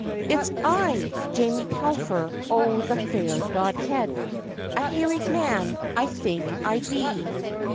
"It's I, Jamie Telfer o' the fair Dodhead, A harried man I think I be!